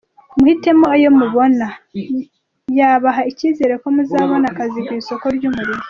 Muhitemo ayo mubona yabaha icyizere ko muzabona akazi ku isoko ry’umurimo.